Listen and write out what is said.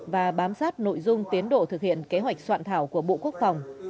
và bám sát nội dung tiến độ thực hiện kế hoạch soạn thảo của bộ quốc phòng